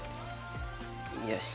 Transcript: よし！